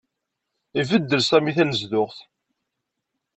Ibeddel Sami tanezduɣt.